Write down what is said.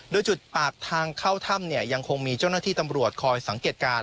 โดยจุดปากทางเข้าถ้ำยังคงมีเจ้าหน้าที่ตำรวจคอยสังเกตการณ